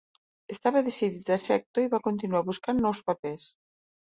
Estava decidit a ser actor i va continuar buscant nous papers.